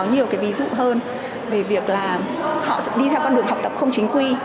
có nhiều cái ví dụ hơn về việc là họ sẽ đi theo con đường học tập không chính quy